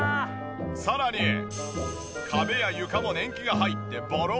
さらに壁や床も年季が入ってボロボロ状態。